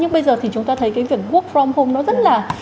nhưng bây giờ thì chúng ta thấy cái việc work from home nó rất là